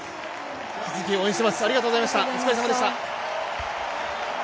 引き続き応援しています、ありがとうございました。